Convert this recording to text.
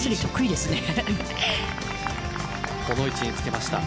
この位置につけました。